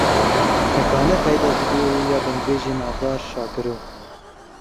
Tekane qeyda vîdeoyî ya Dengbêjê navdar Şakiro.